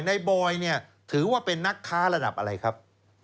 บอยเนี่ยถือว่าเป็นนักค้าระดับอะไรครับ